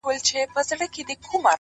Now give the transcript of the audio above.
اراده د نامعلومو لارو رهنما کېږي!